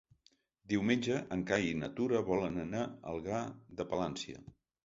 Diumenge en Cai i na Tura volen anar a Algar de Palància.